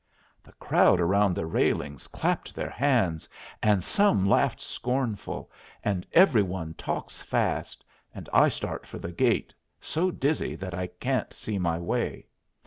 The crowd around the railings clapped their hands, and some laughed scornful, and every one talks fast, and I start for the gate, so dizzy that I can't see my way.